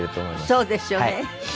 そうですよね。